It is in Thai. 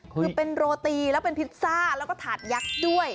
คือเป็นโรตีแล้วเป็นพิซซ่าแล้วก็ถาดยักษ์ด้วย